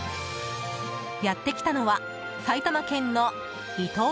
やってきたのは埼玉県のイトー